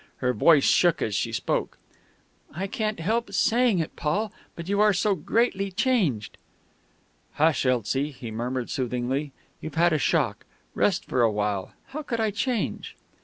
Her voice shook as she spoke. "I can't help saying it, Paul, but you are so greatly changed." "Hush, Elsie," he murmured soothingly; "you've had a shock; rest for a while. How could I change?"